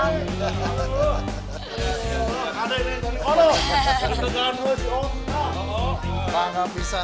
maksudnya kan kamu datang sebelum start